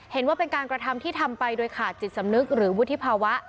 เห็นว่าเป็นการกระทำที่ทำไปโดยขาดจิตสำนึกหรือวุฒิภาวะ